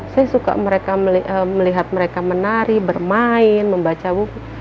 saya suka melihat mereka menari bermain membaca buku